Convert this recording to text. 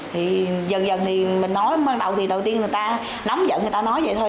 thì dần dần thì mình nói ban đầu thì đầu tiên người ta nắm giận người ta nói vậy thôi